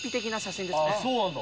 そうなんだ。